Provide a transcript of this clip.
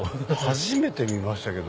初めて見ましたけど。